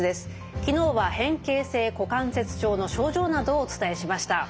昨日は変形性股関節症の症状などをお伝えしました。